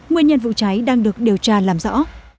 nguyên nhân vụ cháy đang được điều tra làm rõ